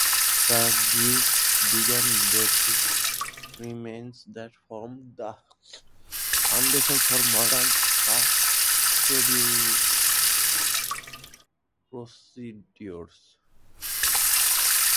The Greeks began bathing regimens that formed the foundation for modern spa procedures.